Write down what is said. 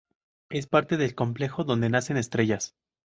Es parte del complejo donde nacen estrellas.